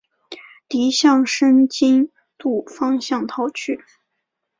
敌向申津渡方向逃去。